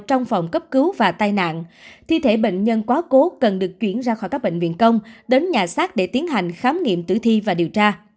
trong phòng cấp cứu và tai nạn thi thể bệnh nhân quá cố cần được chuyển ra khỏi các bệnh viện công đến nhà xác để tiến hành khám nghiệm tử thi và điều tra